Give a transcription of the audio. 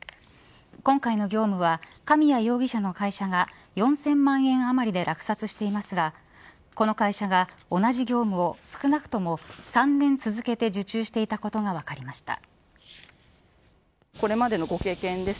今回の業務は神谷容疑者の会社が４０００万円余りで落札していますがこの会社が同じ業務を少なくとも３年続けて受注していたことが分かりました。